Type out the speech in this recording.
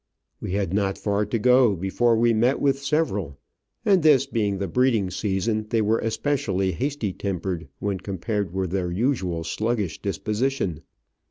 We had not far to go before we met with several, and this being the breeding season, they were especially hasty tempered when compared with their usually sluggish disposition.